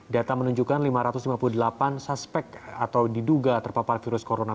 data menunjukkan lima ratus lima puluh delapan suspek atau diduga terpapar virus corona